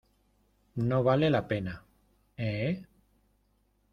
no vale la pena, ¿ eh?